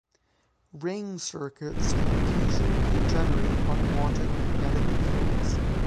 Ring circuits can occasionally generate unwanted magnetic fields.